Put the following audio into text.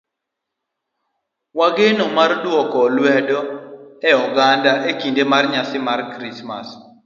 wageno mar dwoko lwedo ne oganda e kinde mag nyasi mar Krismas.